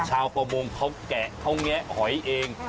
ชาวประมงเขาแกะเขาแงะหอยเอง